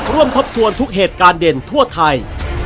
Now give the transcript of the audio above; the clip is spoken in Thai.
ทบทวนทุกเหตุการณ์เด่นทั่วไทย